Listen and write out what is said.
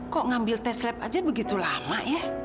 kok ngambil tes lab aja begitu lama ya